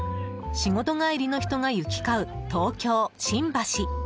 仕事帰りの人が行き交う東京・新橋。